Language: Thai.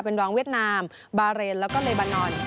เป็นรองเวียดนามบาเรนแล้วก็เลบานอน